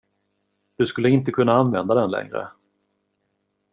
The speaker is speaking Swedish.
Du skulle inte kunna använda den längre.